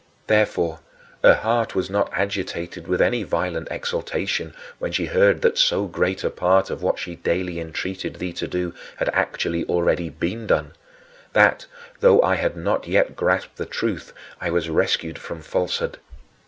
Therefore, her heart was not agitated with any violent exultation when she heard that so great a part of what she daily entreated thee to do had actually already been done that, though I had not yet grasped the truth, I was rescued from falsehood.